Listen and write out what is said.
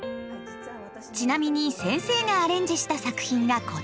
ちなみに先生がアレンジした作品がこちら。